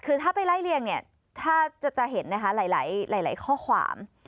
คือถ้าไปไล่เรียงถ้าจะเห็นหลายข้อความ